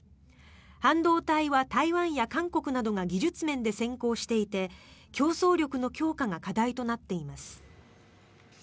半導体は台湾や韓国などが技術面で先行していて競争力の強化が課題となっています。